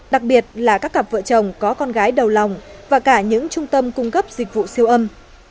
đặc biệt là các cặp vợ chồng có con gái đầu lòng và cả những trung tâm cung cấp dịch vụ siêu âm